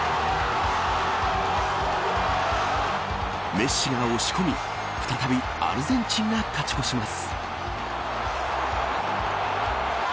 メッシが押し込み再びアルゼンチンが勝ち越します。